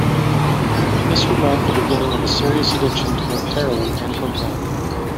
This would mark the beginning of a serious addiction to both heroin and cocaine.